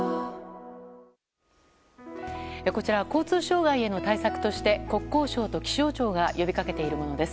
こちら交通障害への対策として国交省と気象庁が呼びかけているものです。